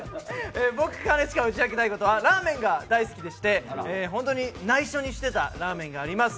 僕、兼近が打ち明けたいことはラーメンが大好きでして本当にないしょにしていたラーメンがあります